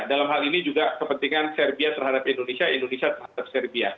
dalam hal ini juga kepentingan serbia terhadap indonesia indonesia terhadap serbia